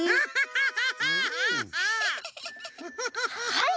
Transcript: はい！